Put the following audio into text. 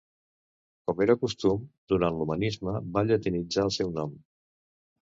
Com era de costum durant l'humanisme va llatinitzar el seu nom.